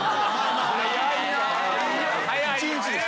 １日です。